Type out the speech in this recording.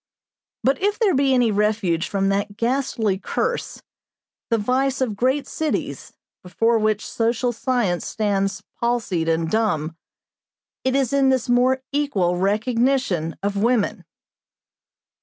But if there be any refuge from that ghastly curse, the vice of great cities, before which social science stands palsied and dumb, it is in this more equal recognition of women.